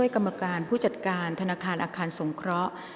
กรรมการผู้จัดการธนาคารอาคารสงเคราะห์